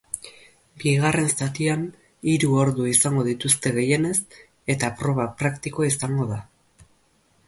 Bigarren zatian hiru ordu izango dituzte gehienez, eta proba praktikoa izango da.